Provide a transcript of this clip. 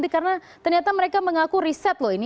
karena ternyata mereka mengaku riset loh ini